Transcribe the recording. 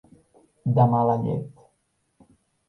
De mala llet.